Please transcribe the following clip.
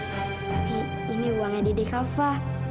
tapi ini uangnya dedek kava